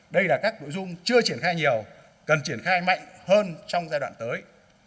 đây là các nội dung chưa triển khai nhiều cần triển khai mạnh hơn trong giai đoạn tới